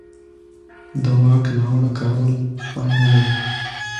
د واک ناوړه کارول پای نه لري